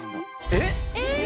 えっ！